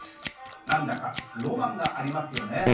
なんだかロマンがありますよね。